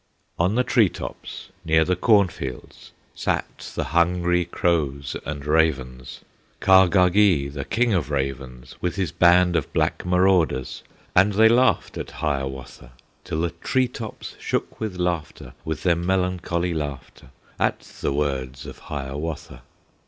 On the tree tops near the cornfields Sat the hungry crows and ravens, Kahgahgee, the King of Ravens, With his band of black marauders. And they laughed at Hiawatha, Till the tree tops shook with laughter, With their melancholy laughter, At the words of Hiawatha.